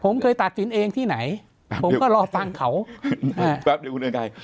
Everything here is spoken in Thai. ผมเคยตัดสินเองที่ไหนผมก็รอฟังเขาแป๊บเดียวคุณเรืองไกร